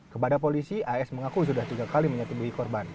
kepada polisi as mengaku sudah tiga kali menyatubuhi korban